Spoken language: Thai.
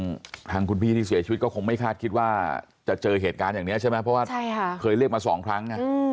ทางคุณพี่ที่เสียชีวิตก็คงไม่คาดคิดว่าจะเจอเหตุการณ์อย่างนี้ใช่ไหมเพราะว่าเคยเรียกมาสองครั้ง